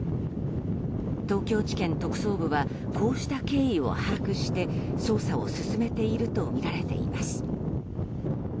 東京地検特捜部はこうした経緯を把握して捜査を進めているとみられています。